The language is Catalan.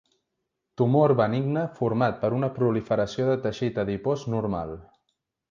Tumor benigne format per una proliferació de teixit adipós normal.